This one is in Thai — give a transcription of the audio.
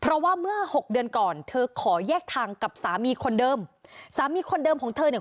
เพราะว่าเมื่อหกเดือนก่อนเธอขอแยกทางกับสามีคนเดิมสามีคนเดิมของเธอเนี่ย